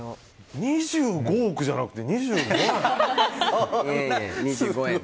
２５億じゃなくて２５円？